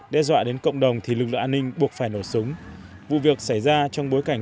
đe dọa đến cộng đồng thì lực lượng an ninh buộc phải nổ súng vụ việc xảy ra trong bối cảnh